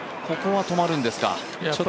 ここは止まるんですか。